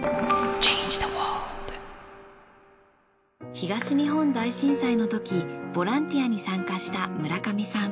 東日本大震災のときボランティアに参加した村上さん。